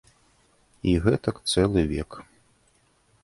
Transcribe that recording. І гэтак цэлы век.